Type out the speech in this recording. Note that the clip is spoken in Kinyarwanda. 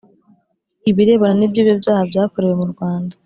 Ibirebana n’ iby ibyo byaha byakorewe mu Rwanda